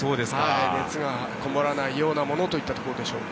熱がこもらないようなものというところでしょうね。